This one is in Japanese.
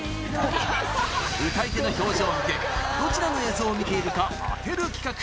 歌い手の表情を見てどちらの映像を見ているか当てる企画